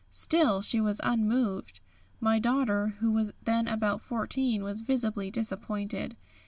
Still she was unmoved. My daughter, who was then about 14, was visibly disappointed.